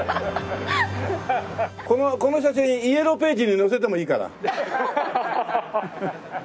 この写真『イエローページ』に載せてもいいから。